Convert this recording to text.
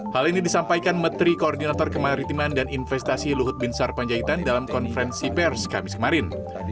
hal ini disampaikan menteri koordinator kemaritiman dan investasi luhut bin sarpanjaitan dalam konferensi pers kamis kemarin